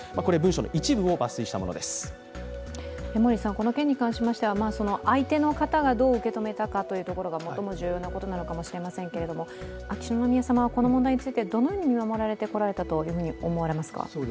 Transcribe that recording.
この件に関しては、相手の方がどう受け止めたかというところが最も重要なことなのかもしれませんけれども、秋篠宮さまはこの問題についてどのように見守られてこられたと思われますか？